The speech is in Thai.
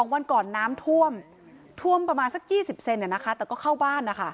วันก่อนน้ำท่วมท่วมประมาณสัก๒๐เซนแต่ก็เข้าบ้าน